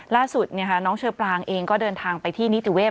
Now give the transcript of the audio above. ล่าสุดน้องเชอปรางเองก็เดินทางไปที่นิติเวศ